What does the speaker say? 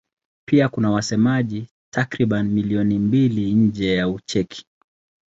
Pia kuna wasemaji takriban milioni mbili nje ya Ucheki.